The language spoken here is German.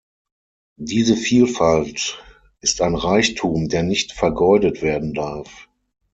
Diese Vielfalt ist ein Reichtum, der nicht vergeudet werden darf.